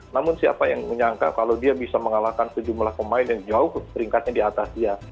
namun siapa yang menyangka kalau dia bisa mengalahkan sejumlah pemain yang jauh peringkatnya diatasnya